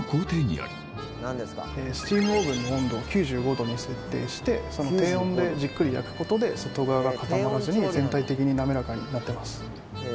スチームオーブンの温度を９５℃に設定して低温でじっくり焼くことで外側が固まらずに全体的に滑らかになってます。